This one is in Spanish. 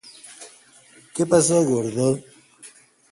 ¿Qué parte del mundo fue llamada primero América?